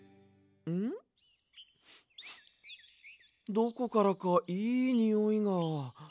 どこからかいいにおいが。